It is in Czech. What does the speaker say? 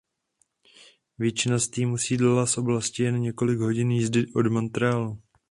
Většina z týmů sídlila z oblasti jen několik hodin jízdy od Montrealu.